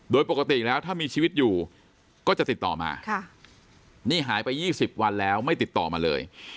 โดยปกติแล้วถ้ามีชีวิตอยู่ก็จะติดต่อมานี่หายไป๒๐วันแล้วไม่ติดต่อมาเลย